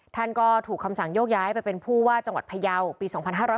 ท่านก็ถูกคำสั่งโยกย้ายไปเป็นผู้ว่าจังหวัดพยาวปี๒๕๕๙